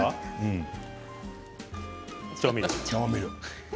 調味料。